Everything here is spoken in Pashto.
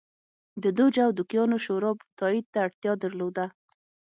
د دوج او دوکیانو شورا تایید ته اړتیا درلوده.